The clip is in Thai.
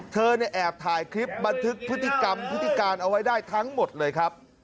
เธอเนี่ยแอบถ่ายคลิปบันทึกพฤติกรรมพฤติการเอาไว้ได้ทั้งหมดเลยครับ